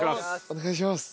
お願いします。